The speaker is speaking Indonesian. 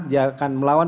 dia akan melawan